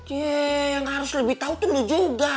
yeee yang harus lebih tau tuh lu juga